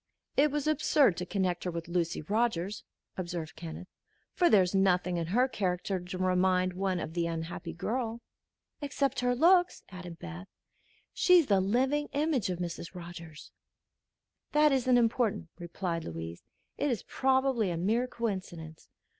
"It was absurd to connect her with Lucy Rogers," observed Kenneth, "for there is nothing in her character to remind one of the unhappy girl." "Except her looks," added Beth. "She's the living image of Mrs. Rogers." "That isn't important," replied Louise. "It is probably a mere coincidence.